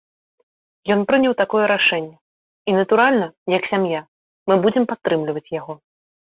Ён прыняў такое рашэнне, і натуральна, як сям'я, мы будзем прытрымлівацца яго.